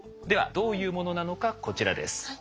ではどういうものなのかこちらです。